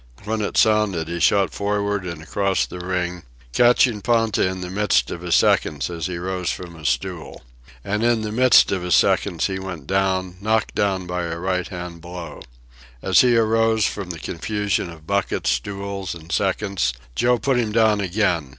When it sounded he shot forward and across the ring, catching Ponta in the midst of his seconds as he rose from his stool. And in the midst of his seconds he went down, knocked down by a right hand blow. As he arose from the confusion of buckets, stools, and seconds, Joe put him down again.